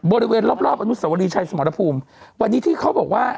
บริเวณรอบรอบอนุสวรีชัยสมรภูมิวันนี้ที่เขาบอกว่า